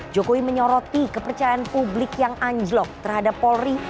jokowi menyoroti kepercayaan publik yang anjlok terhadap polri